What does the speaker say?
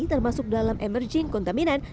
termasuk dalam emerging kontaminan